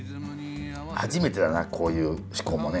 初めてだなこういう趣向もね。